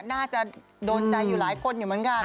น่าจะโดนใจอยู่หลายคนอยู่เหมือนกัน